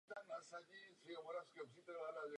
To jen usnula nad šitím, co by tak dvacet napočítal.